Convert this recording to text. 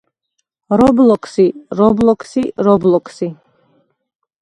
რობლოქსი, რობლოქსი, რობლოქსი